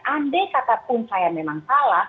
andai katapun saya memang salah